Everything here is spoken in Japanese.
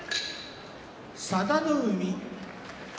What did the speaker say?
佐田の海